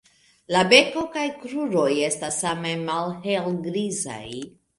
La beko kaj kruroj estas same malhelgrizaj.